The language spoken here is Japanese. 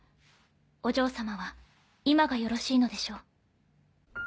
お嬢様は今がよろしいのでしょう。